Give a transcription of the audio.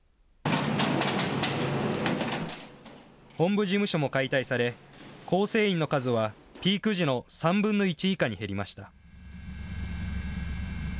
本部事務所も解体され、構成員の数はピーク時の３分の１以下に減りました。